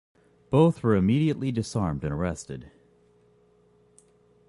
Both were immediately disarmed and arrested.